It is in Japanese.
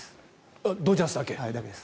ドジャースだけ。